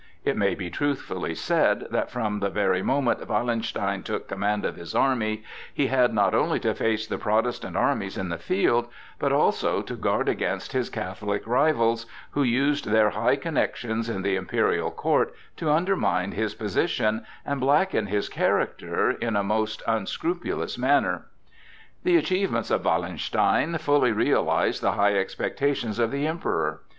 It may be truthfully said that from the very moment Wallenstein took command of his army, he had not only to face the Protestant armies in the field, but also to guard against his Catholic rivals, who used their high connections at the imperial court to undermine his position and blacken his character in a most unscrupulous manner. The achievements of Wallenstein fully realized the high expectations of the Emperor.